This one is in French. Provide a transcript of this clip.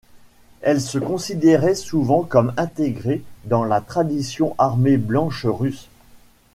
Elle se considérait souvent comme intégrée dans la tradition armée blanche russe.